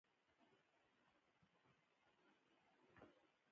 خو په ژمي کې ژوند له سختو ګواښونو ډک وي